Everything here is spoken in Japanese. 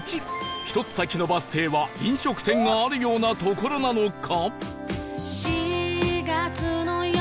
１つ先のバス停は飲食店があるような所なのか？